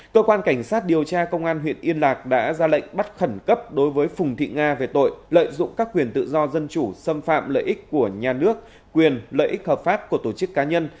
cơ quan cảnh sát điều tra công an huyện yên lạc đã ra lệnh bắt khẩn cấp đối với phùng thị nga về tội lợi dụng các quyền tự do dân chủ xâm phạm lợi ích của nhà nước quyền lợi ích hợp pháp của tổ chức cá nhân